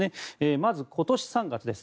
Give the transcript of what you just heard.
まず、今年３月です。